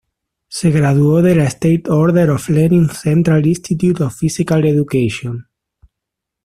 Se graduó de la State Order of Lenin Central Institute of Physical Education.